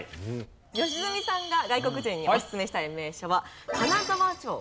良純さんが外国人におすすめしたい名所は金沢城。